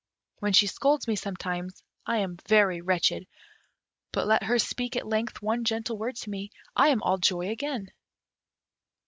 When she scolds me sometimes, I am very wretched; but let her speak at length one gentle word to me, I am all joy again."